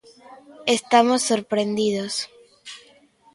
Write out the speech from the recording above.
Estamos sorprendidos.